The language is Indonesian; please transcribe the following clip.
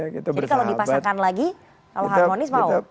jadi kalau dipasangkan lagi kalau harmonis mau